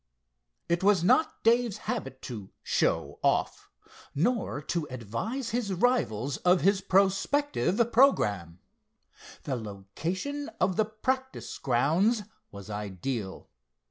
It was not Dave's habit to "show off" nor to advise his rivals of his prospective programme. The location of the practice grounds was ideal.